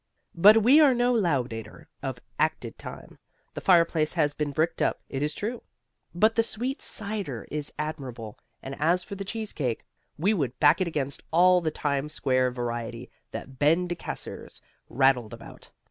But we are no laudator of acted time; the fireplace has been bricked up, it is true; but the sweet cider is admirable, and as for the cheesecake, we would back it against all the Times Square variety that Ben De Casseres rattles about.